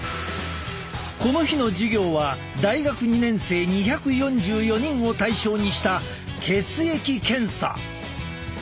この日の授業は大学２年生２４４人を対象にした血液検査。